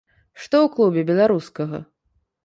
Што ў клубе беларускага?